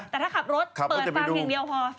แต่ถ้าขับรถอย่างเดียวเปิดฟังพอ